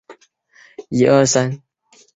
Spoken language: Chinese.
王沂孙人。